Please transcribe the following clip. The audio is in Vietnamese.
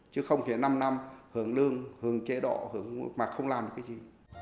chứ không thể năm năm hưởng lương hưởng chế độ mà không làm được cái gì